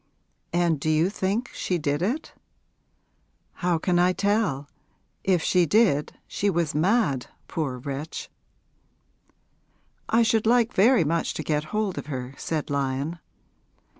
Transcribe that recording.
'And do you think she did it?' 'How can I tell? If she did she was mad, poor wretch.' 'I should like very much to get hold of her,' said Lyon.